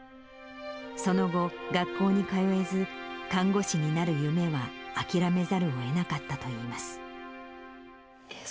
その後、学校に通えず、看護師になる夢は諦めざるをえなかったといいます。